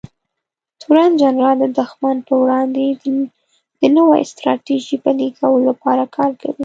تورن جنرال د دښمن پر وړاندې د نوې ستراتیژۍ پلي کولو لپاره کار کوي.